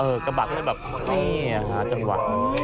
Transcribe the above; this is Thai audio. เออกระบะก็จะแบบนี่ค่ะจังหวะ